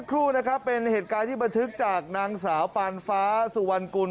ครูนะครับเป็นเหตุการณ์ที่บันทึกจากนางสาวปานฟ้าสุวรรณกุล